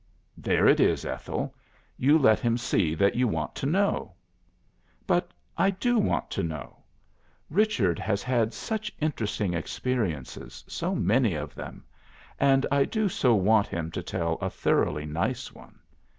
"There it is, Ethel. You let him see that you want to know." "But I do want to know. Richard has had such interesting experiences, so many of them. And I do so want him to tell a thoroughly nice one.